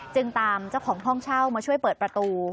จึงตามเจ้าของห้องเช่ามาช่วยเปิดประตู